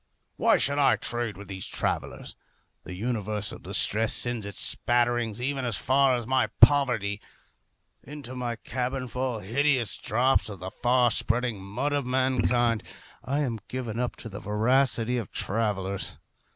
Why should I trade with these travellers? The universal distress sends its spatterings even as far as my poverty. Into my cabin fall hideous drops of the far spreading mud of mankind. I am given up to the voracity of travellers.